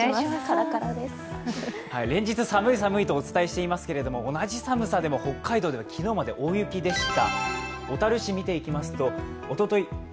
連日、寒い寒いとお伝えしていますけれども同じ寒さでも北海道では昨日まで大雪でした。